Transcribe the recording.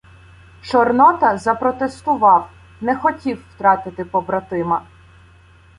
Чорнота запротестував — не хотів втратити побратима.